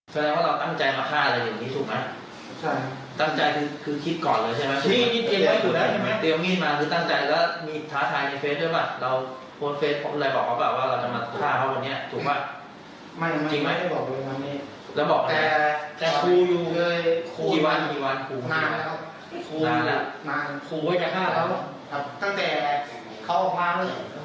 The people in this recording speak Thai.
แฟนสาวล้มลงแทงซ้ำที่หน้าท้องอีก๑ครั้ง